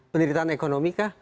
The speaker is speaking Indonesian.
penderitaan ekonomi kah